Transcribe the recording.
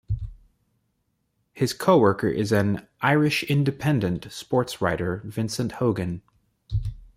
His co-driver is "Irish Independent" sports writer Vincent Hogan.